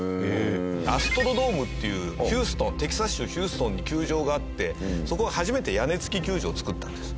アストロドームっていうヒューストンテキサス州ヒューストンに球場があってそこが初めて屋根付き球場を造ったんです。